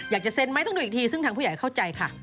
อยากจะเซ็นไหมต้องดูอีกทีซึ่งทางผู้ใหญ่เข้าใจค่ะ